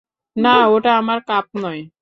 না, ওটা আপনার কাপ নয়!